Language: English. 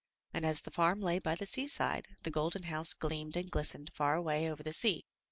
And, as the farm lay by the seaside, the golden house gleamed and glistened far away over the sea.